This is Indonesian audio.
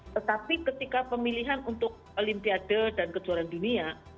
tetapi ketika pemilihan untuk olimpiade dan kejuaraan dunia